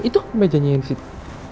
itu bejanya yang di situ